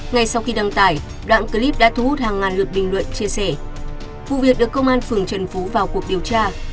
ngay sau khi đăng tải đoạn clip đã thu hút hàng ngàn lượt bình luận chia sẻ vụ việc được công an phường trần phú vào cuộc điều tra